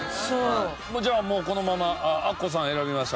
じゃあもうこのままアッコさんを選びました